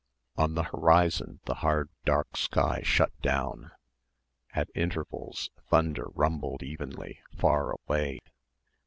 On the horizon the hard dark sky shut down. At intervals thunder rumbled evenly, far away.